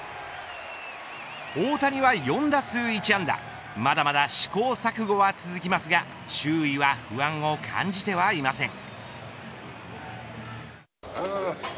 大谷は４打数１安打まだまだ試行錯誤が続きますが周囲は不安を感じてはいません。